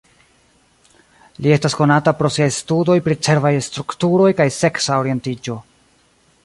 Li estas konata pro siaj studoj pri cerbaj strukturoj kaj seksa orientiĝo.